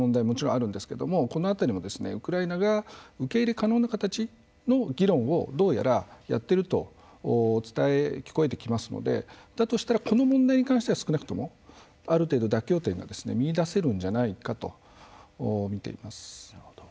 もちろんあるんですけどもこの辺りもウクライナが受け入れ可能な形の議論をどうやらやっていると伝え聞こえてきますのでだとしたらこの問題に関しては少なくともある程度妥協点が見いだせるんじゃないかと見ています。